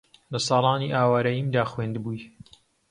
لە ساڵانی ئاوارەییمدا خوێندبووی